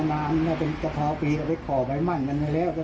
แล้วเค้าก็ไร้บางเรื่องแล้วค่ะ